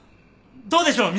どうでしょう？